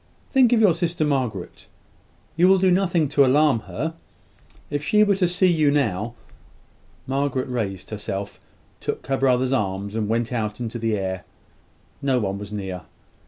Think of your sister, Margaret. You will do nothing to alarm her. If she were to see you now ." Margaret raised herself; took her brother's arm, and went out into the air. No one was near.